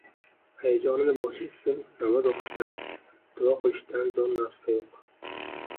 Hayajonni bosish uchun namoz o‘qishdan, duo qilishdan zo‘r narsa yo‘q.